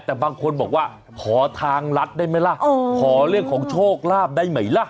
แต่บางคนบอกว่าขอทางรัฐได้ไหมล่ะขอเรื่องของโชคลาภได้ไหมล่ะ